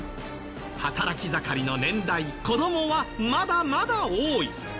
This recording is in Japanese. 働き盛りの年代子どもはまだまだ多い。